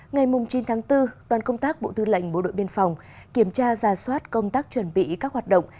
ngày chín tháng bốn đoàn công tác bộ thư lệnh bộ đội biên phòng kiểm tra ra soát công tác chuẩn bị các hoạt động